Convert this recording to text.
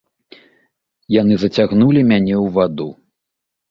Яны зацягнулі мяне ў ваду.